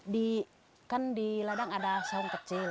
dikan di ladang ada saung kecil